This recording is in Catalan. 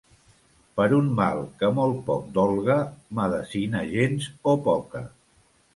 Per un mal que molt poc dolga, medecina gens o poca.